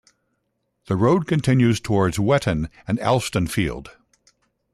The road continues towards Wetton and Alstonefield.